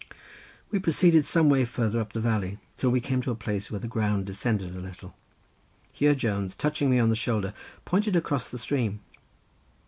We proceeded some way farther up the valley, till we came to a place where the ground descended a little. Here Jones, touching me on the shoulder, pointed across the stream.